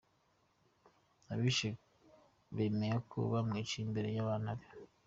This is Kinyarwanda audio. Abishe bemeye ko bamwiciye imbere y’abana be